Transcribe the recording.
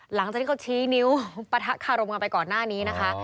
หลังจากที่เขาชี้นิ้วปะทะคารมกันไปก่อนหน้านี้นะคะ